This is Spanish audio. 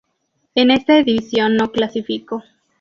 En esta edición no clasificó.